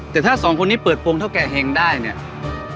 แต่ถ้าสองคนนี้เปิดโปรงเท่าแก่เห็งได้เนี่ย